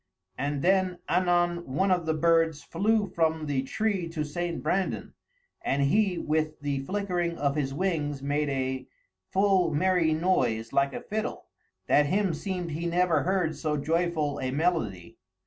And then anon one of the birds flew from the tree to St. Brandan, and he with the flickering of his wings made a full merrie noise like a fiddle, that him seemed he never heard so joyful a melodie.